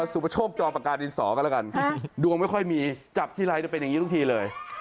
ประโชคจอมปากกาดินสอก็แล้วกันดวงไม่ค่อยมีจับทีไรจะเป็นอย่างนี้ทุกทีเลย